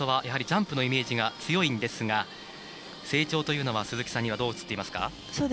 やはりジャンプのイメージが強いんですが成長というのは鈴木さんにはどう映っていますか？